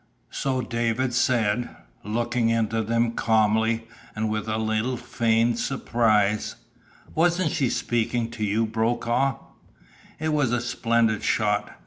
So David said, looking into them calmly, and with a little feigned surprise: "Wasn't she speaking to you, Brokaw?" It was a splendid shot.